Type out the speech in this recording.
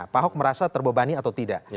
pak ahok merasa terbebani atau tidak